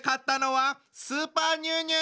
スーパーニュウニュウ